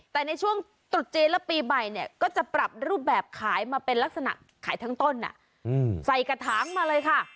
แต่ในช่วงตรุษจีนและปีใหม่เนี่ยก็จะปรับรูปแบบขายมาเป็นลักษณะขายทั้งต้นใส่กระถางมาเลยค่ะ